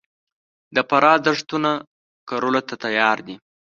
د فراه دښتونه کرلو ته تیار دي